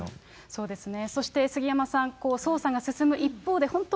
そうですね。